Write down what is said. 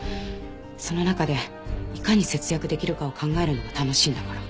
その中でいかに節約できるかを考えるのが楽しいんだから。